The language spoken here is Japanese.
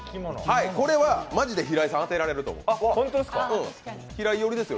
これはマジで平井さん、当てられると思います。